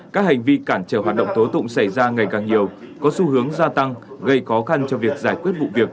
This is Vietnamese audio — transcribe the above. các hành vi cản trở hoạt động tố tụng xảy ra ngày càng nhiều